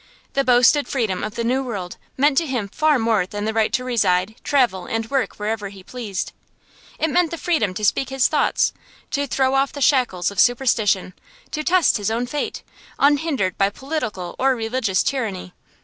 The boasted freedom of the New World meant to him far more than the right to reside, travel, and work wherever he pleased; it meant the freedom to speak his thoughts, to throw off the shackles of superstition, to test his own fate, unhindered by political or religious tyranny.